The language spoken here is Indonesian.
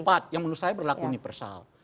kan ada empat yang menurut saya berlaku universal